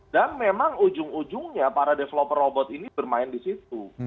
dan memang ujung ujungnya para developer robot ini bermain di situ